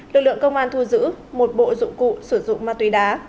lực lượng công an thu giữ một bộ dụng cụ sử dụng ma túy đá